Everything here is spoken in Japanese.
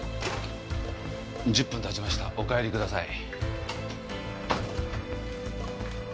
１０分たちましたお帰りください。